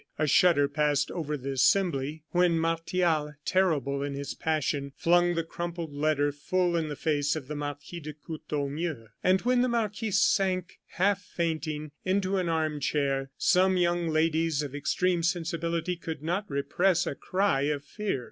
A shudder passed over the assembly when Martial, terrible in his passion, flung the crumbled letter full in the face of the Marquis de Courtornieu. And when the marquis sank half fainting into an arm chair some young ladies of extreme sensibility could not repress a cry of fear.